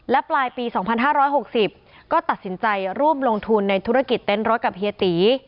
ปลายปี๒๕๖๐ก็ตัดสินใจร่วมลงทุนในธุรกิจเต้นรถกับเฮียตี